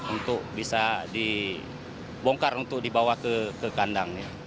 untuk bisa dibongkar untuk dibawa ke kandang